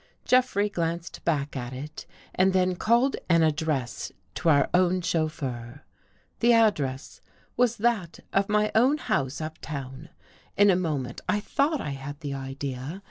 Jeffrey glanced back at it and then called an ad dress to our own chauffeur. The address was that of my own house uptown! In a moment I thought I had the idea.